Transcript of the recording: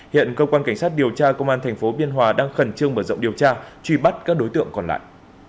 hiện cơ quan cảnh sát điều tra công an thành phố biên hòa đang khẩn trương bởi rộng điều tra truy bắt các đối tượng còn lại